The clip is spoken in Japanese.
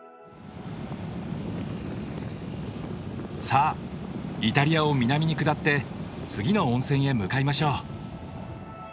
さあイタリアを南に下って次の温泉へ向かいましょう。